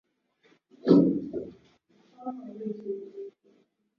Takriban watu elfu ishirini na nane hufariki kila mwaka nchini Uganda kutokana